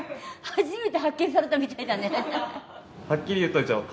初めて発見されたみたいだね。